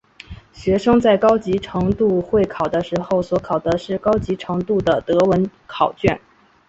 学生在高级程度会考的时候所考的是高级程度的德文考卷。